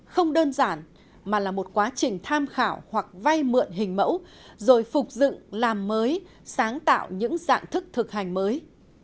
không đơn giản mà là một quá trình tham khảo hoặc vay mượn hình mẫu rồi phục dựng làm mới sáng tạo những dạng thức thực hành mới